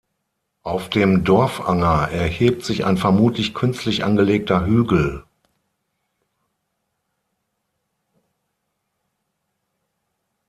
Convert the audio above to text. Auf dem Dorfanger erhebt sich ein vermutlich künstlich angelegter Hügel.